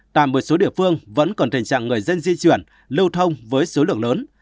tại một số địa phương vẫn còn tình trạng người dân di chuyển lưu thông với số lượng lớn